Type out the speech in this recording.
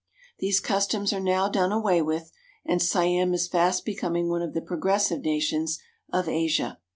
These customs are now done away with, and Siam is fast becoming one of the progressive nations of Asia.